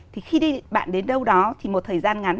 thì khi bạn đến đâu đó thì một thời gian ngắn